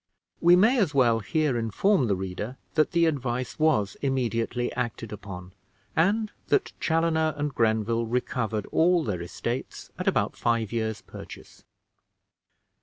We may as well here inform the reader that the advice was immediately acted upon, and that Chaloner and Grenville recovered all their estates at about five years' purchase.